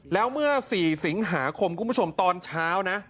แล้วเมื่อ๔สิงหาคมคุณผู้ชมตอนเช้านะ